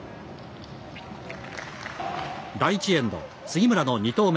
第１エンド、杉村の２投目。